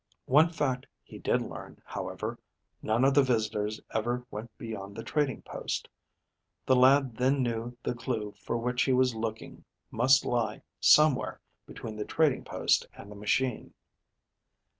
One fact he did learn, however, none of the visitors ever went beyond the trading post. The lad then knew the clew for which he was looking must lie somewhere between the trading post and the machine.